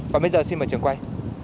và bây giờ xin mời trường quay